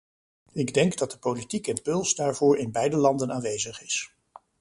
Ik denk dat de politiek impuls daarvoor in beide landen aanwezig is.